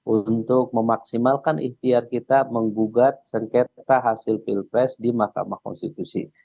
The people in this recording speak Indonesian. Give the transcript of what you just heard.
untuk memaksimalkan ikhtiar kita menggugat sengketa hasil pilpres di mahkamah konstitusi